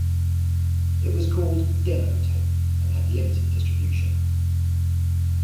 It was called "Demo Tape" and had limited distribution.